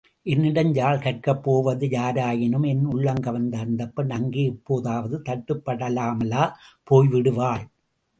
என்னிடம் யாழ் கற்கப்போவது யாராயினும் என் உள்ளங்கவர்ந்த அந்தப்பெண் அங்கே எப்போதாவது தட்டுப்படாமலா போய் விடுவாள்?